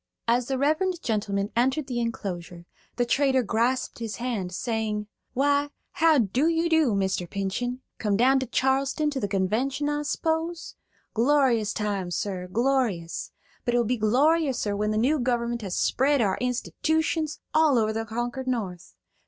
As the reverend gentleman entered the enclosure, the trader grasped his hand, saying: "Why, how do you do, Mr. Pinchen? Come down to Charleston to the Convention, I s'pose? Glorious time, sir, glorious; but it will be gloriouser when the new government has spread our institootions all over the conquered North.